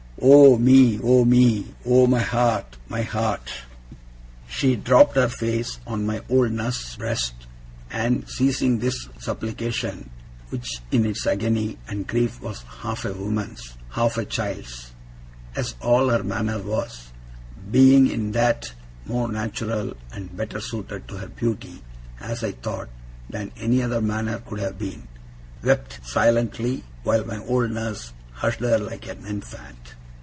Oh me, oh me! Oh my heart, my heart!' She dropped her face on my old nurse's breast, and, ceasing this supplication, which in its agony and grief was half a woman's, half a child's, as all her manner was (being, in that, more natural, and better suited to her beauty, as I thought, than any other manner could have been), wept silently, while my old nurse hushed her like an infant.